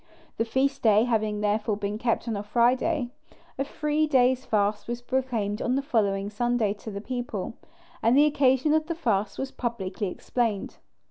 The feast day having therefore been kept on a Friday, a three days' fast was proclaimed on the following Sunday to the people, and the occasion of the fast was publicly explained.